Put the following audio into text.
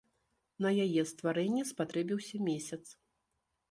На яе стварэнне спатрэбіўся месяц.